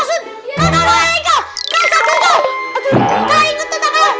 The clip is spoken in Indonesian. kau satu satu